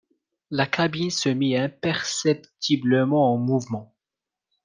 La cabine se mit imperceptiblement en mouvement